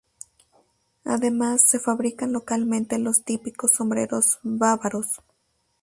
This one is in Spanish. Además se fabrican localmente los típicos sombreros bávaros.